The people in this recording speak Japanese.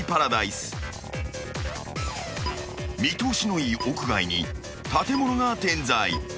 ［見通しのいい屋外に建物が点在］